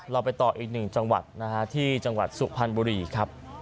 เราไปต่ออีกหนึ่งจังหวัดนะฮะที่จังหวัดสุพรรณบุรีครับ